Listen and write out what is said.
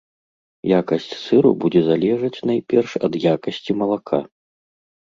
Якасць сыру будзе залежаць найперш ад якасці малака.